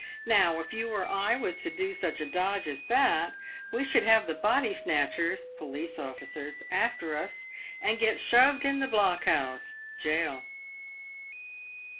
Now, if you or I was to do such a dodge as that, we should have the ' body snatchers' (police officers) after us, and get shoved in the blockhouse (gaol)."